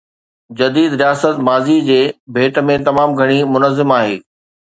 جديد رياست ماضي جي ڀيٽ ۾ تمام گهڻي منظم آهي.